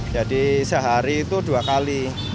jadi sehari itu dua kali